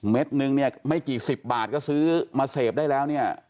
นึงเนี่ยไม่กี่สิบบาทก็ซื้อมาเสพได้แล้วเนี่ย